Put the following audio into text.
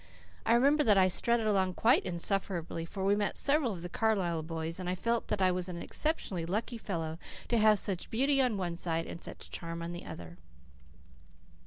I remember that I strutted along quite insufferably, for we met several of the Carlisle boys and I felt that I was an exceptionally lucky fellow to have such beauty on one side and such charm on the other.